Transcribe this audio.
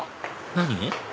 何？